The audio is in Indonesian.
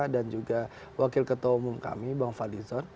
dan juga wakil ketua umum kami bang fadizon